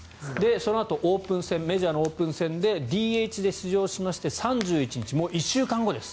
そのあとメジャーのオープン戦でＤＨで出場しまして３１日、もう１週間後です。